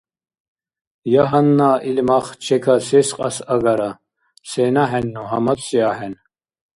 Я гьанна ил мах чекасес кьас агара, сенахӀенну гьамадси ахӀен.